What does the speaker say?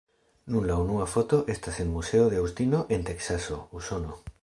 Nun la unua foto estas en muzeo de Aŭstino en Teksaso, Usono.